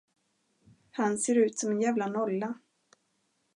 Han ser ut som en jävla nolla.